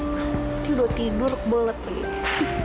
nanti udah tidur bolet lagi